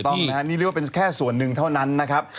ต้องนะฮะนี่เรียกว่าเป็นแค่ส่วนหนึ่งเท่านั้นนะครับ